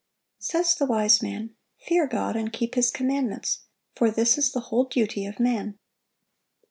Says the wise man, "Fear God, and keep His commandments: for this is the whole duty of man."